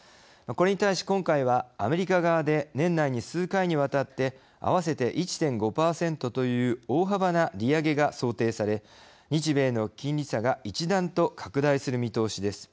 これに対し、今回はアメリカ側で年内に数回にわたって合わせて１．５％という大幅な利上げが想定され日米の金利差が一段と拡大する見通しです。